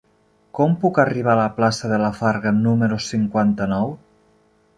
Com puc arribar a la plaça de la Farga número cinquanta-nou?